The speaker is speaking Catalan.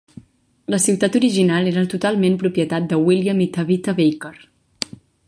La ciutat original era totalment propietat de William i Tabitha Baker.